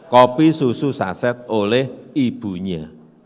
kopi susu saset oleh ibunya